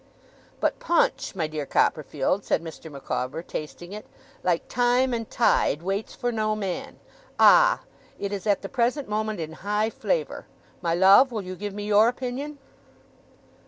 'But punch, my dear Copperfield,' said Mr. Micawber, tasting it, 'like time and tide, waits for no man. Ah! it is at the present moment in high flavour. My love, will you give me your opinion?